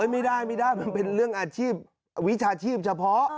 ไม่ได้เป็นเรื่องอาชีพอาชีพเฉพาะ